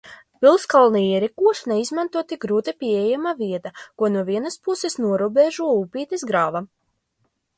Pilskalna ierīkošanai izmantota grūti pieejama vieta, ko no vienas puses norobežo upītes grava.